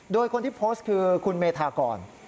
โดยคนที่โพสต์คือคุณเมธากร